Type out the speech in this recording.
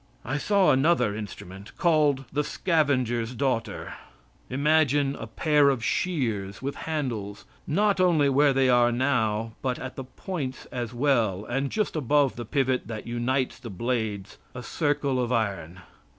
I saw another instrument, called the scavenger's daughter. Imagine a pair of shears with handles, not only where they now are, but at the points as well and just above the pivot that unites the blades a circle of iron.